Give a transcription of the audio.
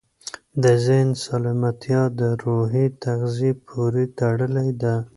د ذهن سالمتیا د روحي تغذیې پورې تړلې ده.